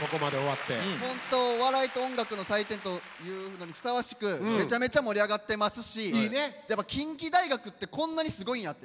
本当お笑いと音楽の祭典というのにふさわしくめちゃめちゃ盛り上がってますし近畿大学ってこんなにすごいんやって。